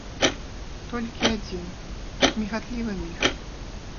Толькі адзін мігатлівы міг.